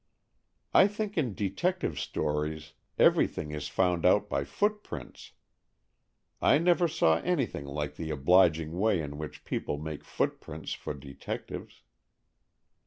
"I think in detective stories everything is found out by footprints. I never saw anything like the obliging way in which people make footprints for detectives."